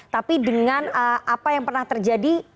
tapi dengan apa yang pernah terjadi